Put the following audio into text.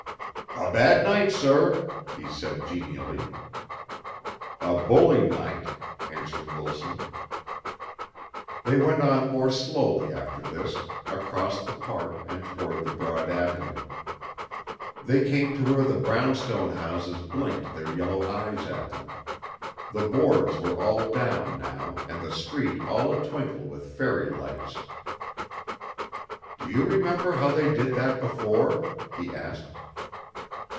"A bad night, sir," he said genially. "A bully night," answered Wilson. They went on more slowly after this, across the park and toward the broad avenue. They came to where the brownstone houses blinked their yellow eyes at them. The boards were all down now and the street all a twinkle with fairy lights. "Do you remember how they did that before?" he asked.